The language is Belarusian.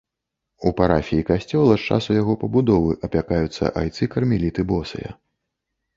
У парафіі касцёла з часу яго пабудовы апякаюцца айцы кармеліты босыя.